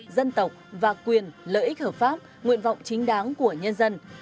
dân tộc và quyền lợi ích hợp pháp nguyện vọng chính đáng của nhân dân